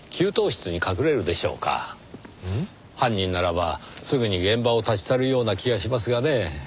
犯人ならばすぐに現場を立ち去るような気がしますがねぇ。